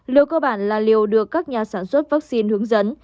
liệu cơ bản là liều được các nhà sản xuất vaccine hướng dẫn